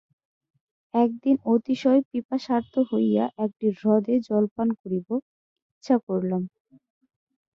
একদিন অতিশয় পিপাসার্ত হইয়া একটি হ্রদে জলপান করিব, ইচ্ছা করিলাম।